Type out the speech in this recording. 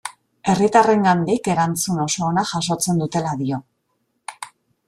Herritarrengandik erantzun oso ona jasotzen dutela dio.